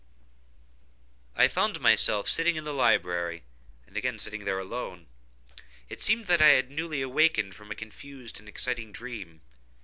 I found myself sitting in the library, and again sitting there alone. It seemed that I had newly awakened from a confused and exciting dream.